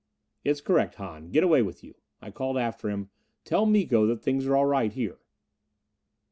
"It's correct, Hahn. Get away with you." I called after him. "Tell Miko that things are all right here."